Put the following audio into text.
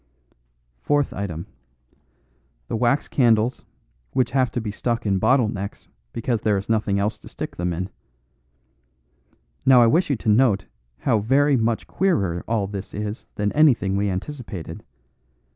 "Fourth item. The wax candles, which have to be stuck in bottle necks because there is nothing else to stick them in. Now I wish you to note how very much queerer all this is than anything we anticipated.